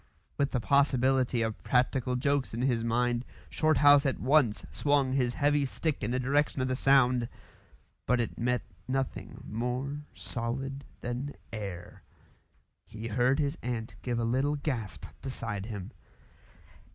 With the possibility of practical jokes in his mind, Shorthouse at once swung his heavy stick in the direction of the sound; but it met nothing more solid than air. He heard his aunt give a little gasp beside him.